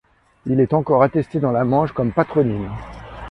Il est encore attesté dans la Manche comme patronyme.